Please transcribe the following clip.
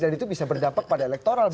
itu bisa berdampak pada elektoral